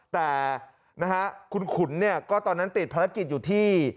แต่นะฮะคุณขุนเนี่ยก็ตอนนั้นติดภารกิจอยู่ที่